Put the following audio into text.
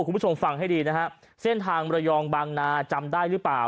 คุณผู้ชมฟังให้ดีนะฮะเส้นทางมรยองบางนาจำได้หรือเปล่า